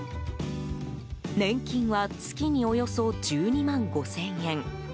年金は月におよそ１２万５０００円。